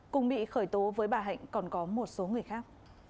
cùng bị khởi tố với bà hạnh còn có một số người khác